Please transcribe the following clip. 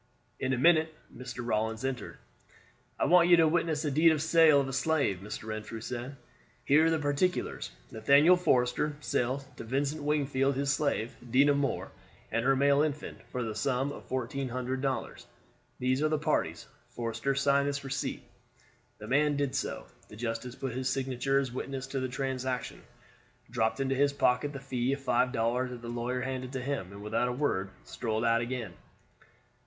In a minute Mr. Rawlins entered. "I want you to witness a deed of sale of a slave," Mr. Renfrew said. "Here are the particulars: 'Nathaniel Forster sells to Vincent Wingfield his slave, Dinah Moore and her male infant, for the sum of fourteen hundred dollars.' These are the parties. Forster sign this receipt." The man did so. The justice put his signature as witness to the transaction, dropped into his pocket the fee of five dollars that the lawyer handed to him, and without a word strolled out again.